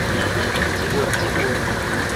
一勻一勻